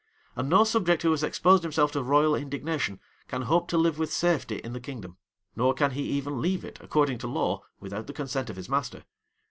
And no subject who has exposed himself to royal indignation, can hope to live with safety in the kingdom; nor can he even leave it, according to law, without the consent of his master.